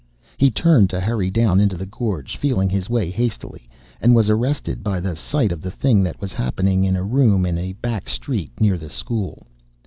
He turned to hurry down into the gorge, feeling his way hastily, and was arrested by the sight of the thing that was happening in a room in a back street near the school.